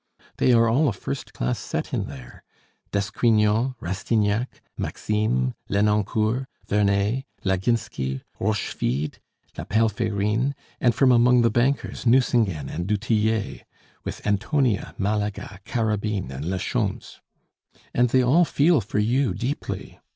They are all a first class set in there d'Esgrignon, Rastignac, Maxime, Lenoncourt, Verneuil, Laginski, Rochefide, la Palferine, and from among the bankers Nucingen and du Tillet, with Antonia, Malaga, Carabine, and la Schontz; and they all feel for you deeply.